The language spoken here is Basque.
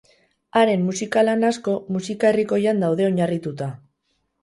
Haren musika-lan asko musika herrikoian daude oinarrituta.